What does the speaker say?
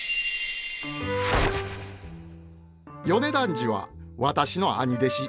米團治は私の兄弟子。